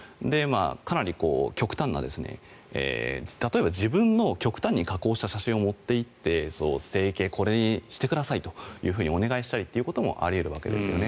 かなり極端な例えば自分の極端に加工した写真を持っていって整形、これにしてくださいとお願いしたりということもあり得るわけですよね。